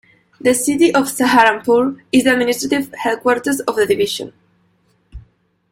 The city of Saharanpur is the administrative headquarters of the division.